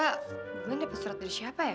emang ini pesurat dari siapa ya